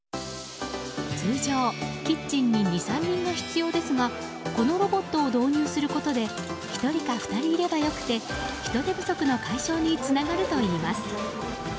通常、キッチンに２３人が必要ですがこのロボットを導入することで１人か２人いれば良くて人手不足の解消につながるといいます。